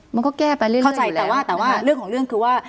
มันก็แก้ไปเรื่อยเข้าใจแต่ว่าแต่ว่าเรื่องของเรื่องคือว่า